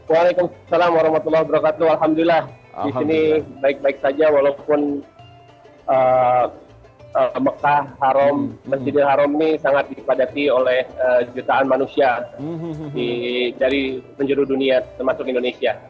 waalaikumsalam warahmatullahi wabarakatuh alhamdulillah di sini baik baik saja walaupun mekah masjidil haram ini sangat dipadati oleh jutaan manusia dari penjuru dunia termasuk indonesia